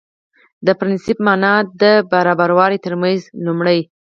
د پرنسېپ معنا ده برابرو ترمنځ لومړی